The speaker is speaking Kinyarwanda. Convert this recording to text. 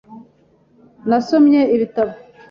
Nasomye ibitabo .